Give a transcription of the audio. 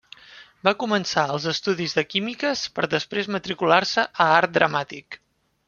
Va començar als estudis de Químiques, per després matricular-se a Art Dramàtic.